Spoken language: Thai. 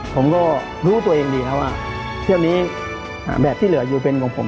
ผมก็รู้ตัวเองดีครับว่าเที่ยวนี้แบบที่เหลืออยู่เป็นของผม